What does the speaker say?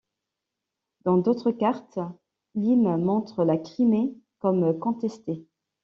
Dans d'autres cartes, Limes montre la Crimée comme contestée.